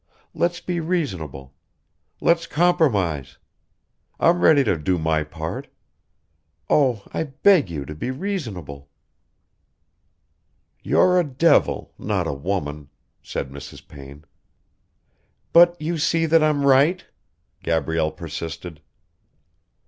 Let's be reasonable. Let's compromise. I'm ready to do my part. Oh, I beg you to be reasonable!" "You're a devil, not a woman," said Mrs. Payne. "But you see that I'm right?" Gabrielle persisted.